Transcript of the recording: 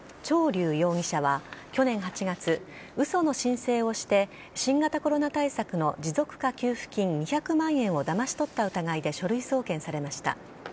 チョウ・リュウ容疑者は去年８月、嘘の申請をして新型コロナ対策の持続化給付金２００万円をだまし取った疑いで書類送検されました。